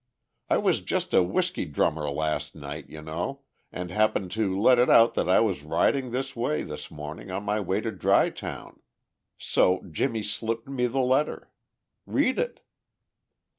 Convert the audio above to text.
I was just a whiskey drummer last night, you know, and happened to let it out that I was riding this way this morning on my way to Dry Town. So Jimmie slipped me the letter! Read it."